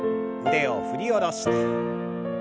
腕を振り下ろして。